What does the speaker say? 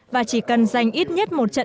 và chỉ cần giành ít nhất một trận đấu